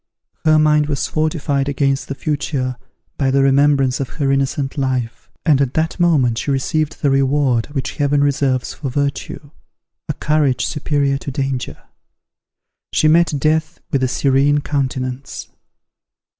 Her mind was fortified against the future by the remembrance of her innocent life; and at that moment she received the reward which Heaven reserves for virtue, a courage superior to danger. She met death with a serene countenance.